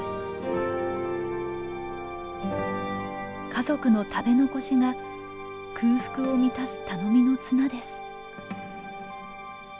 家族の食べ残しが空腹を満たす頼みの綱です。